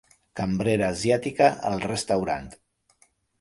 Cambrera asiàtica al restaurant.